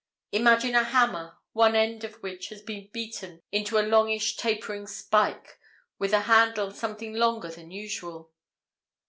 Imagine a hammer, one end of which had been beaten out into a longish tapering spike, with a handle something longer than usual.